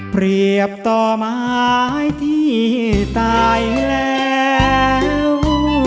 เปรียบต่อไม้ที่ตายแล้ว